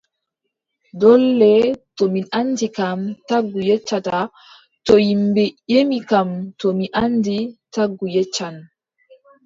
Doole to mi anndi kam, tagu yeccata, to ƴimɓe ƴemi kam to mi anndi, tagu yeccan.